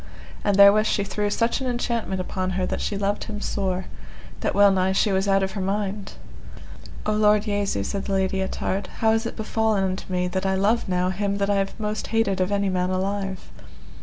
And therewith she threw such an enchantment upon her that she loved him sore, that well nigh she was out of her mind. O Lord Jesu, said the Lady Ettard, how is it befallen unto me that I love now him that I have most hated of any man alive?